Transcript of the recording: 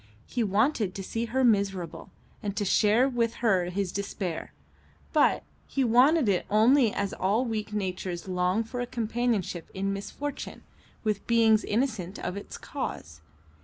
He wanted to see her miserable, and to share with her his despair; but he wanted it only as all weak natures long for a companionship in misfortune with beings innocent of its cause.